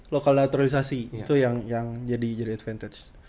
lokal naturalisasi itu yang jadi advantage